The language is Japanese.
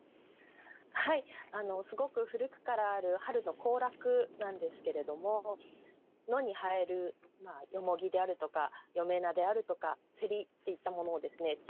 はいすごく古くからある春の行楽なんですけれども野に生える蓬であるとか嫁菜であるとか芹っていったものをですね